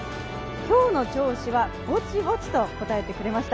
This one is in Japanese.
今日の調子はぼちぼちと答えてくれました。